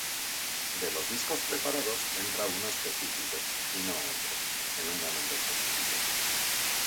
De los discos preparados, entra uno específico, y no otro, en un momento específico.